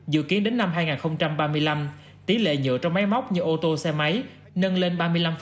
dự kiến đến năm hai nghìn ba mươi năm tỷ lệ nhựa trong máy móc như ô tô xe máy nâng lên ba mươi năm